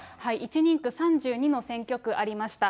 １人区３２の選挙区ありました。